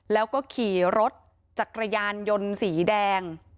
แล้วก็ขี่รถจักรยานยนต์สีแดง